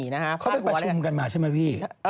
เขาไปประชุมกันมาใช่ไหมพี่